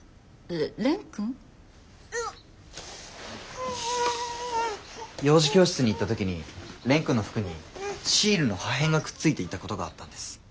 れ蓮くん？幼児教室に行った時に蓮くんの服にシールの破片がくっついていたことがあったんです。